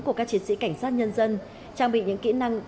của các chiến sĩ cảnh sát nhân dân trang bị những kỹ năng